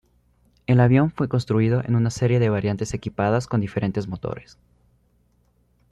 El avión fue construido en una serie de variantes equipadas con diferentes motores.